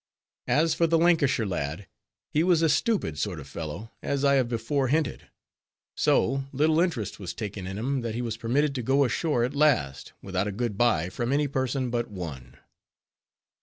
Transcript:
As for the Lancashire lad, he was a stupid sort of fellow, as I have before hinted. So, little interest was taken in him, that he was permitted to go ashore at last, without a good by from any person but one.